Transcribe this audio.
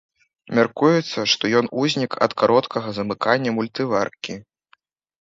Мяркуецца, што ён узнік ад кароткага замыкання мультываркі.